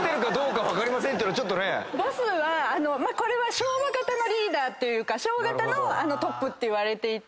ボスはこれは昭和型のリーダーというか昭和型のトップっていわれていて。